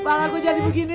malah gue jadi begini nih